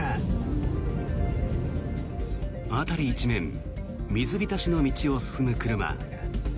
辺り一面、水浸しの道を進む車。